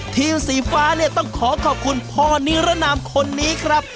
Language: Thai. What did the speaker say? ทีมสีฟ้าต้องขอขอบคุณพ่อนีรนามคนนี้ครับ